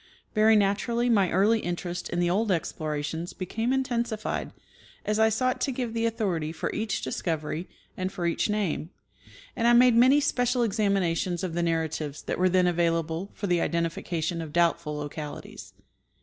Very naturally my early interest in the old explorations became intensified as I sought to give the authority for each discovery and for each name ; and I made many special examinations of the narratives that were then available for the identification of doubtful localities.